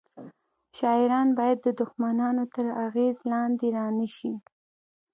شاعران باید د دښمنانو تر اغیز لاندې رانه شي